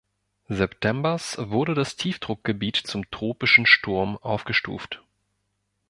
Septembers wurde das Tiefdruckgebiet zum Tropischen Sturm aufgestuft.